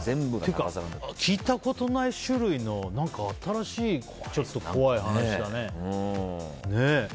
聞いたことない種類の新しい怖い話だね。